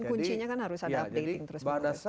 kunci nya kan harus ada updating terus menerus